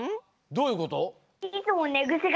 どういうこと？